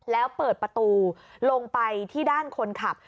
แล้วเปิดประตูลงไปที่ด้านคนขับ